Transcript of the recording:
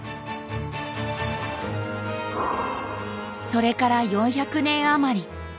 それから４００年余り。